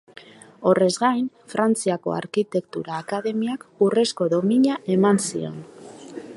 Horrez gain, Frantziako Arkitektura Akademiak urrezko domina eman zion.